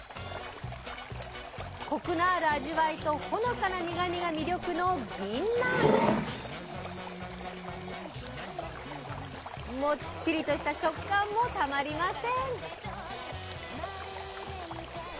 コクのある味わいとほのかな苦みが魅力のもっちりとした食感もたまりません！